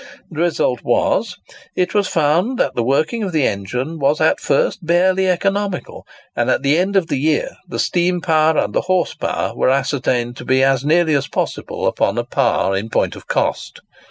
The result was, that it was found the working of the engine was at first barely economical; and at the end of the year the steam power and the horse power were ascertained to be as nearly as possible upon a par in point of cost.